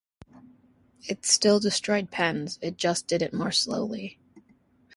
It still destroyed pens; it just did it more slowly.